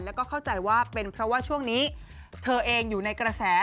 แล้วก็เข้าใจว่าเป็นเพราะว่าช่วงนี้เธอเองอยู่ในกระแส